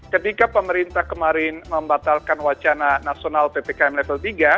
ketika pemerintah kemarin membatalkan wacana nasional ppkm level tiga